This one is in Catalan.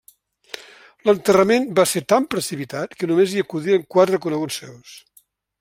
L'enterrament va ser tan precipitat que només hi acudiren quatre coneguts seus.